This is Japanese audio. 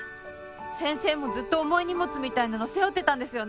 先生もずっと重い荷物みたいなの背負ってたんですよね？